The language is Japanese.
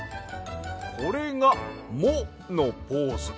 これが「モ」のポーズ。